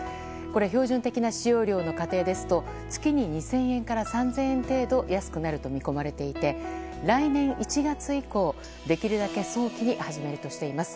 これ、標準的な使用量の家庭ですと月に２０００円から３０００円程度安くなると見込まれていて来年１月以降、できるだけ早期に始めるとしています。